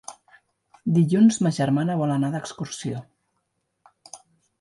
Dilluns ma germana vol anar d'excursió.